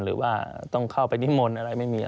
หรือว่าต้องเข้าไปนิมนต์อะไรไม่มี